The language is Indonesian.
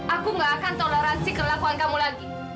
aku gak akan toleransi kelakuan kamu lagi